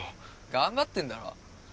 頑張ってんだろ？